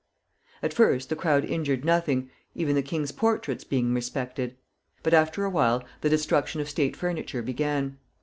At first the crowd injured nothing, even the king's portraits being respected; but after a while the destruction of state furniture began.